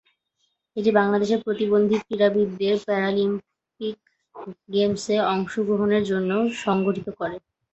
এটি বাংলাদেশের প্রতিবন্ধী ক্রীড়াবিদদের প্যারালিম্পিক গেমসে অংশগ্রহণের জন্য সংগঠিত করে।